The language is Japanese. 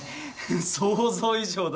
想像以上だ！